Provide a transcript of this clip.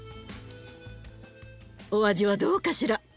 お味はどうかしら？